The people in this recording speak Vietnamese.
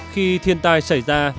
khi thiên tai xảy ra